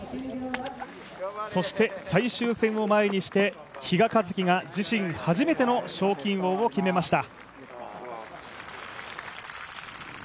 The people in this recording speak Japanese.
そして最終戦を前にして、比嘉一貴が自身初めての賞金王を決めました。